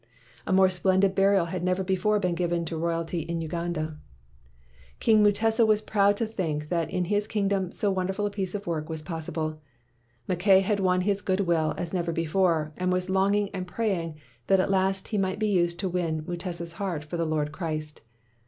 A more splendid burial had never before been given to royalty in Uganda. 189 WHITE MAN OF WORK King Mutesa was proud to think that in his kingdom so wonderful a piece of work was possible. Mackay had won his good will as never before, and was longing and praying that at last he might be used to win Mu tesa 's heart for the Lord Christ.